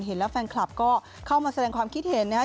เห็นแล้วแฟนคลับก็เข้ามาแสดงความคิดเห็นนะครับ